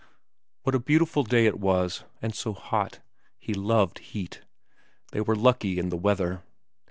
What a beautiful day it was ; and so hot. He loved heat. They were lucky in the weather.